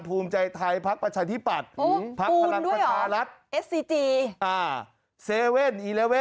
ภูมิใจไทยภักดิ์ประชาธิบัตรภักดิ์ภารกรรมประชารัฐ